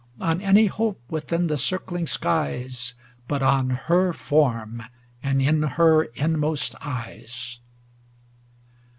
On any hope within the circling skies. But on her form, and in her inmost eyes.